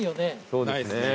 そうですね。